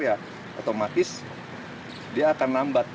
ya otomatis dia akan lambat